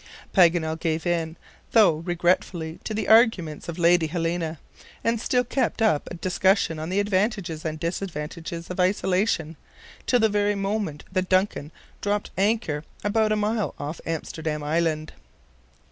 Paganel gave in, though regretfully, to the arguments of Lady Helena, and still kept up a discussion on the advantages and disadvantages of Isolation, till the very moment the DUNCAN dropped anchor about a mile off Amsterdam Island.